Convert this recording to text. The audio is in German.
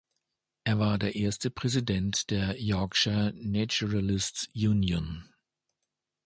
Er war der erste Präsident der Yorkshire Naturalists Union.